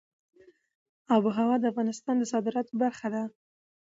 آب وهوا د افغانستان د صادراتو برخه ده.